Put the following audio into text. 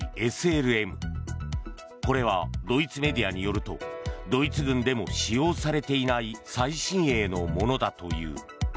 これはドイツメディアによるとドイツ軍でも使用されていない最新鋭のものだという。